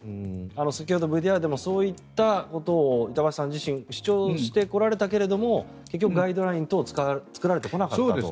先ほどＶＴＲでもそういったことを板橋さん自身主張してこられたけれども結局、ガイドライン等作られてこなかったと。